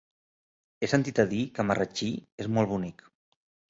He sentit a dir que Marratxí és molt bonic.